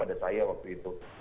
ada saya waktu itu